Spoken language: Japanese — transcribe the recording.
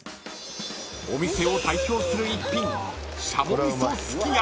［お店を代表する一品］